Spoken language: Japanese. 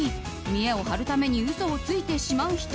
見栄を張るために嘘をついてしまう人